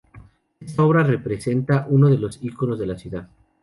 Esta obra representa uno de los íconos de la ciudad.